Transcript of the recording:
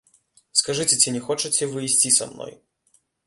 Скажыце, ці хочаце вы ісці са мной?